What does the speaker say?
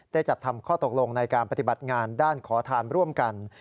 จัดทำข้อตกลงในการปฏิบัติงานด้านขอทานร่วมกัน